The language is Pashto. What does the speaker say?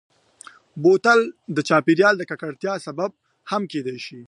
بوتل د چاپېریال د ککړتیا سبب هم کېدای شي.